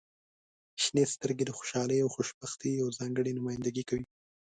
• شنې سترګې د خوشحالۍ او خوشبختۍ یوه ځانګړې نمایندګي کوي.